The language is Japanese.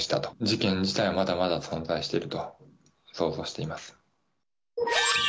事件自体はまだまだ存在してると、想像しています。